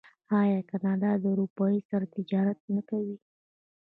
آیا کاناډا له اروپا سره تجارت نه کوي؟